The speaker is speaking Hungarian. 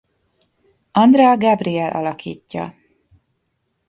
Andrea Gabriel alakítja.